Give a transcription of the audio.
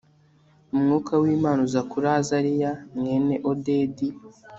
Umwuka wImana aza kuri Azariya mwene Odedi